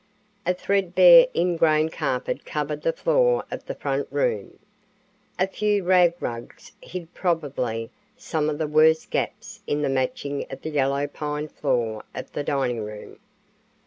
A threadbare ingrain carpet covered the floor of the front room. A few rag rugs hid probably some of the worst gaps in the matching of the yellow pine floor of the dining room.